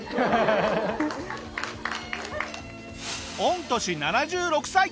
御年７６歳。